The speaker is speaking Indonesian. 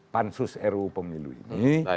pansus ruu pemilu ini